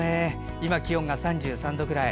今、気温が３３度ぐらい。